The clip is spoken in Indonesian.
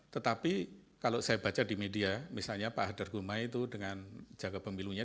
tetapi kalau saya baca di media misalnya pak hadar gumai itu dengan jaga pemilunya